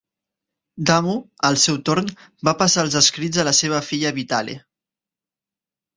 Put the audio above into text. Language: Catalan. Damo, al seu torn, va passar els escrits a la seva filla Bitale.